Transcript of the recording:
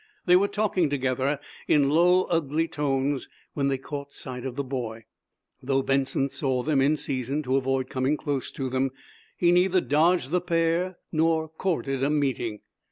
They were talking together, in low, ugly tones, when they caught sight of the boy. Though Benson saw them in season to avoid coming close to them, he neither dodged the pair nor courted a meeting.